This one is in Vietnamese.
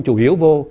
chủ yếu vô